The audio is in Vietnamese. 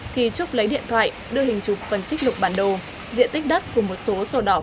thì trúc lấy điện thoại đưa hình chụp phần trích lục bản đồ diện tích đất của một số sổ đỏ